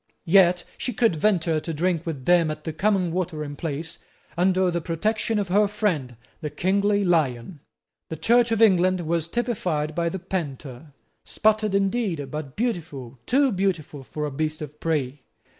Yet she could venture to drink with them at the common watering place under the protection of her friend, the kingly lion. The Church of England was typified by the panther, spotted indeed, but beautiful, too beautiful for a beast of prey.